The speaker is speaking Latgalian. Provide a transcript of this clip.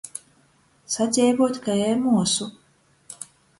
Sadzeivuot kai ar muosu.